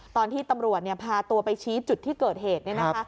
ตอนที่ตำรวจพาตัวไปชี้จุดที่เกิดเหตุ